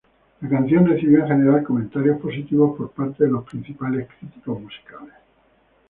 La canción recibió en general comentarios positivos por parte de los principales críticos musicales.